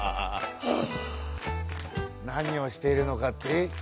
何をしているのかって？